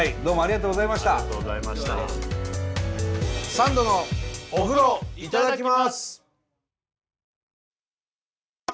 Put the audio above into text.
「サンドのお風呂いただきます」。